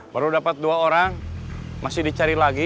baru dapat dua orang masih dicari lagi